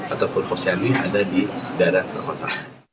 atau khusus yang ada di daerah ke kota